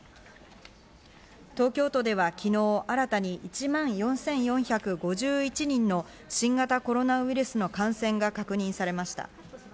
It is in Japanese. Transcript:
東京都では昨日新たに１万４４５１人の新型コロナウイルスへの感染が確認されました。